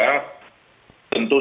tentu sangat mudah